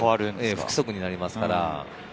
不規則になります。